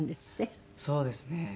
そうですね。